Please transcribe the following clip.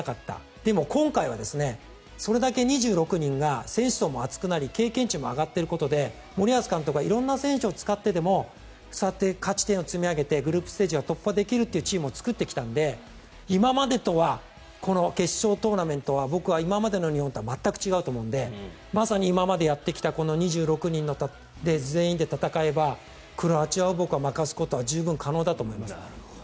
でも、今回はそれだけ２６人が選手層も厚くなり経験値も上がっていることで森保監督が色んな選手を使ってでもそうやって勝ち点を積み上げてグループステージを突破できるというチームを作ってきたので今までとは決勝トーナメントは僕は今までの日本とは全く違うと思うのでまさに今までやってきたこの２６人全員で戦えばクロアチアを負かすことは十分可能だと思います。